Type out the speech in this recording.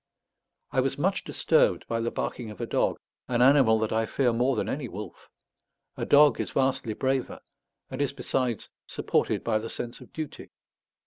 I was much disturbed by the barking of a dog, an animal that I fear more than any wolf. A dog is vastly braver, and is besides supported by the sense of duty.